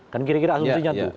kan kira kira asumsinya tuh